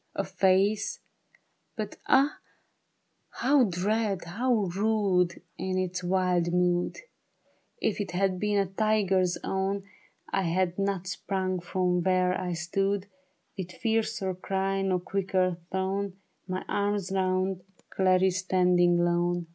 A face, but ah, how dread, how rude In its wild mood ! If it had been a tiger's own, 1 had not sprung from where I stood With fiercer cry, nor quicker thrown My arms round Clarice standing lone.